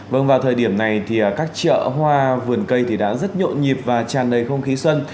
vâng vào thời điểm này thì các chợ hoa vườn cây thì đã rất nhộn nhịp và tràn đầy không khí xuân